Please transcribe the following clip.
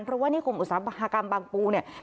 เพราะว่านิคมอุตสาหกรรมบางปูเนี่ย